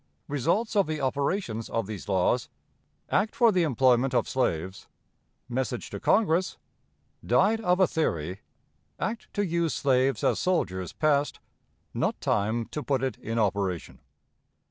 Results of the Operations of these Laws. Act for the Employment of Slaves. Message to Congress. "Died of a Theory." Act to use Slaves as Soldiers passed. Not Time to put it in Operation.